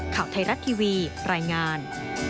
ข่าวไทยรัฐทีวีรายงาน